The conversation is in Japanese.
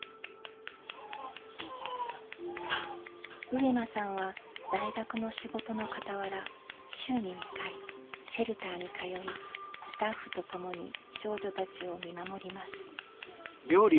上間さんは大学の仕事のかたわら週に２回シェルターに通いスタッフと共に少女たちを見守ります。